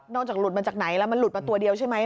จากหลุดมาจากไหนแล้วมันหลุดมาตัวเดียวใช่ไหม